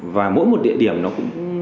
và mỗi một địa điểm nó cũng